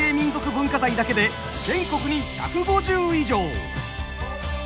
文化財だけで全国に１５０以上。